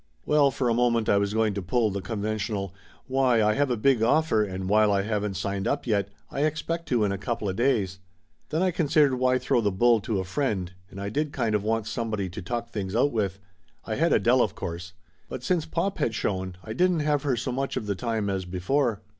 Well, for a moment I was going to pull the conven tional "Why, I have a big offer and while I haven't signed up yet, I expect to in a coupla days." Then I considered why throw the bull to a friend, and I did kind of want somebody to talk things out with. I had Adele of course. But since pop had shown, I didn't have her so much of the time as before.